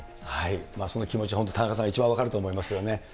その気持ち、本当、田中さんが一番分かると思いますよね。